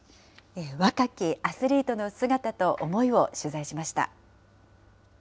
若きアスリートの姿と思いを取材しました。